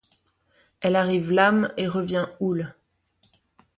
Elle arrive lame et revient houle.